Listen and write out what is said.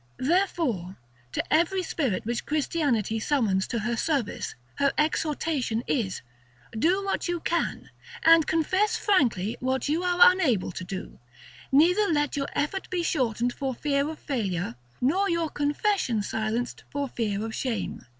Therefore, to every spirit which Christianity summons to her service, her exhortation is: Do what you can, and confess frankly what you are unable to do; neither let your effort be shortened for fear of failure, nor your confession silenced for fear of shame.